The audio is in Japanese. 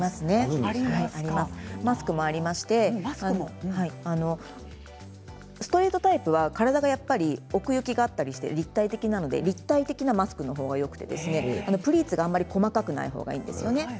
マスクもありますしストレートタイプは体がやっぱり奥行きがあったりして立体的なので立体的なマスクの方がよくてプリーツがあまり細かくない方がいいんです。